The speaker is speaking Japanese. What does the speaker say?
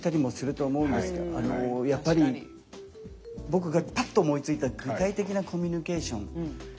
僕がぱっと思いついた具体的なコミュニケーション。